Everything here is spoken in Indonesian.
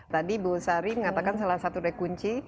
tadi bu sari mengatakan salah satu rekunci